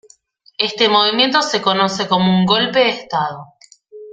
Este movimiento se conoce como un golpe de estado.